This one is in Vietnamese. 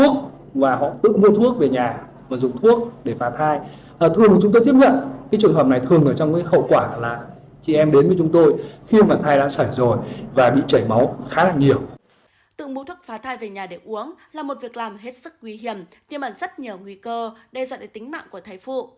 nhưng mà rất nhiều nguy cơ đe dọa đến tính mạng của thầy phụ